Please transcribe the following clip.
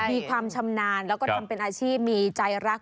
มีความชำนาญแล้วก็ทำเป็นอาชีพมีใจรัก